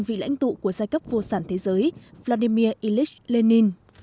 vị lãnh tụ của giai cấp vô sản thế giới vladimir ilyich lenin